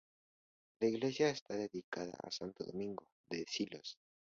La iglesia está dedicada a Santo Domingo de Silos.